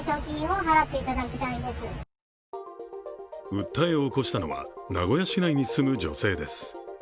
訴えを起こしたのは名古屋市内に住む女性です。